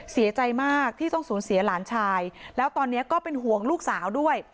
เสียใจมากที่ต้องสูญเสียหลานชายแล้วตอนนี้ก็เป็นห่วงลูกสาวด้วย